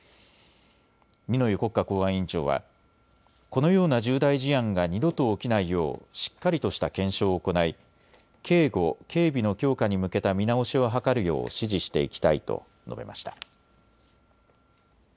二之湯国家公安委員長はこのような重大事案が二度と起きないようしっかりとした検証を行い警護・警備の強化に向けた見直しを図るよう指示していきたいと述べました。